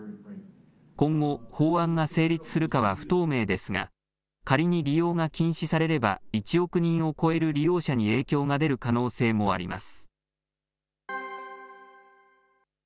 今後、法案が成立するかは不透明ですが、仮に利用が禁止されれば１億人を超える利用者に影響が出る可能性もあります。